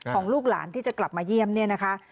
ของลูกหลานที่จะกลับมาเยี่ยมเนี่ยนะคะ